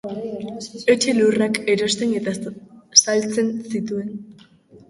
Etxe lurrak erosten eta saltzen zituen.